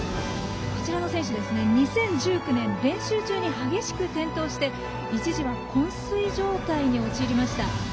こちらの選手は２０１９年練習中に激しく転倒して一時は、こん睡状態に陥りました。